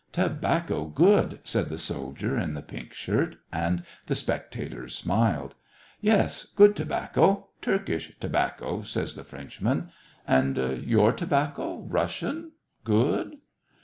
" Tobacco good !" said the soldier in the pink shirt ; and the spectators smile. " Yes, good tobacco, Turkish tobacco," says the Frenchman. " And your tobacco — Rus sian .?— good?"